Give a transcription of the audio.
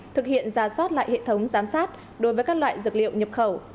thực hiện ra soát lại hệ thống giám sát đối với các loại dược liệu nhập khẩu